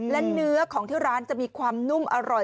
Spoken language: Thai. และเนื้อของที่ร้านจะมีความนุ่มอร่อย